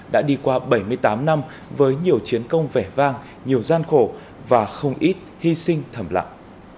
đã đi qua bảy mươi tám năm với nhiều chiến công vẻ vang nhiều gian khổ và không ít hy sinh thầm lặng